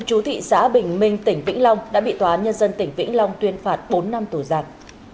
chú thị xã bình minh tỉnh vĩnh long đã bị tòa án nhân dân tỉnh vĩnh long tuyên phạt bốn năm tù giặc